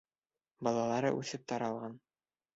Балалары үҫеп таралған.